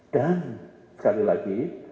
dan sekali lagi